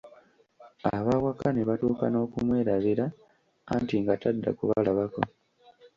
Abaawaka ne batuuka n'okumwerabira anti nga tadda kubalabako.